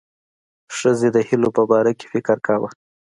ښځې د هیلو په باره کې فکر کاوه.